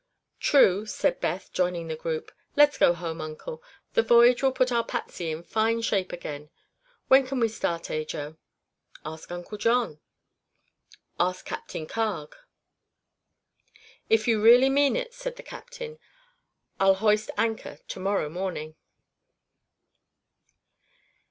"True," said Beth, joining the group. "Let's go home, Uncle. The voyage will put our Patsy in fine shape again. When can we start, Ajo?" "Ask Uncle John." "Ask Captain Carg." "If you really mean it," said the captain, "I'll hoist anchor to morrow morning."